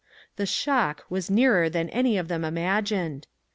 The " shock " was nearer than any of them imagined.